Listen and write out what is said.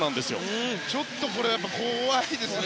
ちょっと怖いですよね。